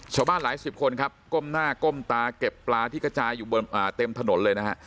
ชาวบ้านหลายสิบคนครับก้มหน้าก้มตาเก็บปลาที่กระจายอยู่บนเต็มถนนเลยนะฮะ